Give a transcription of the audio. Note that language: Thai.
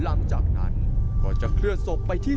หลังจากนั้นจะนำศพลงไปฝัง